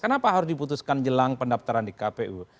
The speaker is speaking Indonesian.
kenapa harus diputuskan jelang pendaftaran di kpu